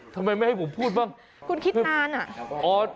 ทำไมไม่ให้ผมพูดบ้าง